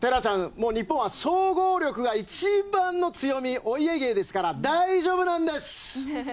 日本は総合力が一番の強みお家芸ですから大丈夫なんです！